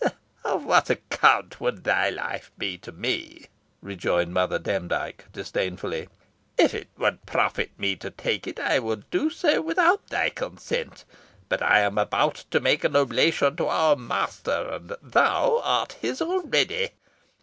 "Of what account would thy life be to me?" rejoined Mother Demdike, disdainfully. "If it would profit me to take it, I would do so without thy consent, but I am about to make an oblation to our master, and thou art his already.